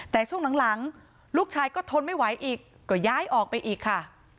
แต่ช่วงหลังลูกชายก็ทนไม่ไหวอีกก็ย้ายออกไปอีกค่ะ